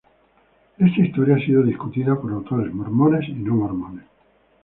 Esta historia ha sido discutida por autores mormones y no mormones.